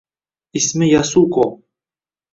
Ismi Yasuko